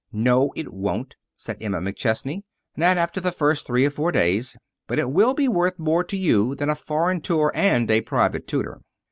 "No, it won't," said Emma McChesney; "not after the first three or four days. But it will be worth more to you than a foreign tour and a private tutor."